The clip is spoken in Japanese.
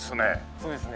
そうですね。